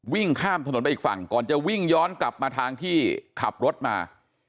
วิ่งข้ามถนนไปอีกฝั่งก่อนจะวิ่งย้อนกลับมาทางที่ขับรถมา